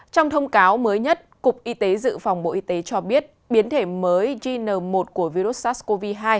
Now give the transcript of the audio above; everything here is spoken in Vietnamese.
trong thông cáo mới nhất cục y tế dự phòng bộ y tế cho biết biến thể mới gn một của virus sars cov hai